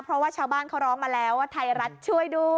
เพราะว่าชาวบ้านเขาร้องมาแล้วว่าไทยรัฐช่วยด้วย